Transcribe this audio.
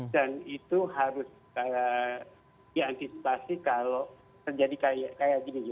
dan itu harus diantisipasi kalau terjadi seperti ini